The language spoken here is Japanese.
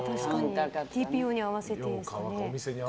ＴＰＯに合わせてですよね。